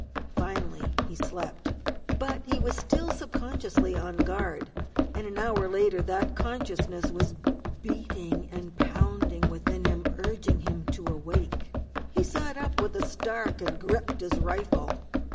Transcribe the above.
Finally he slept. But he was still subconsciously on guard, and an hour later that consciousness was beating and pounding within him, urging him to awake. He sat up with a start and gripped his rifle.